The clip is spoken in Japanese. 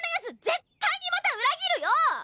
絶対にまた裏切るよ！